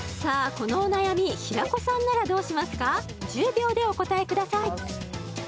このお悩み平子さんならどうしますか１０秒でお答えください